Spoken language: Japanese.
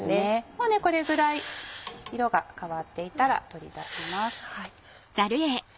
もうこれぐらい色が変わっていたら取り出します。